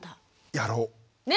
やろう。ね？